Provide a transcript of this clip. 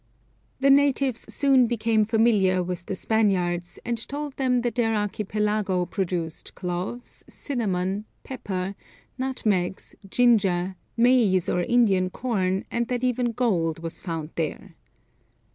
The natives soon became familiar with the Spaniards, and told them that their archipelago produced cloves, cinnamon, pepper, nutmegs, ginger, maize or Indian corn, and that even gold was found there.